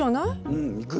うん行く。